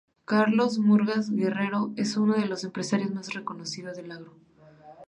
Carlos Murgas Guerrero es uno de los empresarios más reconocidos del agro.